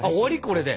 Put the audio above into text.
これで。